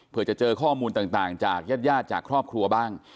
เพื่อจะเจอข้อมูลต่างจากญาติญาติจากครอบครัวบ้าง